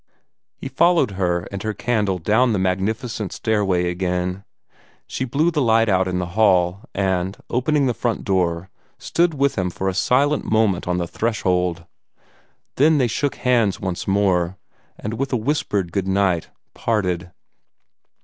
He followed her and her candle down the magnificent stairway again. She blew the light out in the hall, and, opening the front door, stood with him for a silent moment on the threshold. Then they shook hands once more, and with a whispered good night, parted.